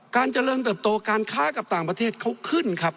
การเจริญเติบโตการค้ากับต่างประเทศเขาขึ้นครับ